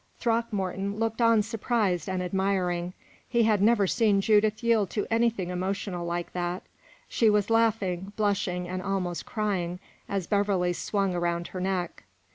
Throckmorton looked on surprised and admiring. He had never seen Judith yield to anything emotional like that; she was laughing, blushing, and almost crying, as Beverley swung round her neck.